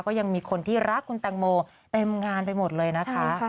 ก็ยังมีคนที่รักคุณแตงโมเต็มงานไปหมดเลยนะคะ